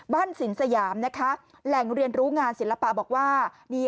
สินสยามนะคะแหล่งเรียนรู้งานศิลปะบอกว่า